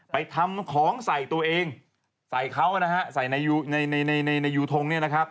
ไปทำของใส่ตัวเองใส่เขาในนายยูทง